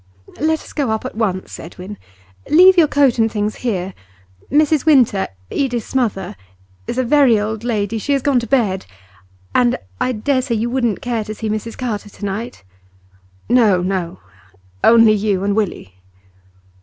'Let us go up at once, Edwin. Leave your coat and things here. Mrs Winter Edith's mother is a very old lady; she has gone to bed. And I dare say you wouldn't care to see Mrs Carter to night?' 'No, no! only you and Willie.